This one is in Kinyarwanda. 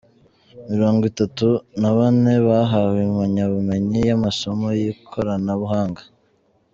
Mirongo itatu nabane bahawe impanyabumenyi y’amasomo yikorana buhanga